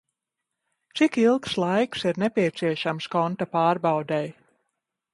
Cik ilgs laiks ir nepieciešams konta pārbaudei?